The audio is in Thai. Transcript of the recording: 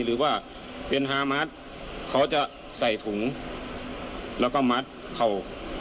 หรือว่าเป็นฮามาสเขาจะใส่ถุงแล้วก็มัดเข่า